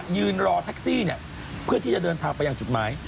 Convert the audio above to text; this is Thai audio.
ยืนรอแท็กซี่เพื่อที่จะเดินทางไปยังจุดหมาย